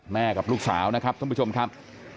กับลูกสาวนะครับท่านผู้ชมครับ